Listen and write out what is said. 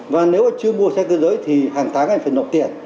và nếu mà chưa mua xe cơ giới thì hàng tháng anh phải nộp tiền